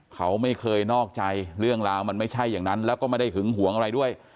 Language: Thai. เขาไม่เคยนอกใจเรื่องราวมันไม่ใช่อย่างนั้นแล้วก็ไม่ได้หึงหวงอะไรด้วย